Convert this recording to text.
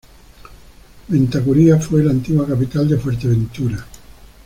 Betancuria fue la antigua capital de Fuerteventura.